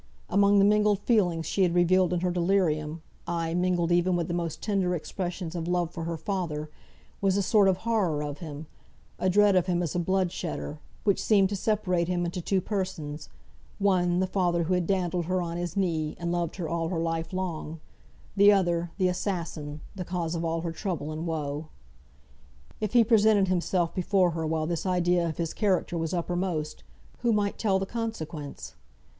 Among the mingled feelings she had revealed in her delirium, ay, mingled even with the most tender expressions of love for her father, was a sort of horror of him; a dread of him as a blood shedder, which seemed to separate him into two persons, one, the father who had dandled her on his knee, and loved her all her life long; the other, the assassin, the cause of all her trouble and woe. If he presented himself before her while this idea of his character was uppermost, who might tell the consequence?